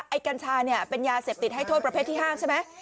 กัญชาเนี่ยเป็นยาเสพติดให้โทษประเภทที่๕ใช่ไหม